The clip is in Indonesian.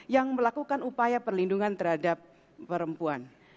yang melakukan upaya perlindungan terhadap perempuan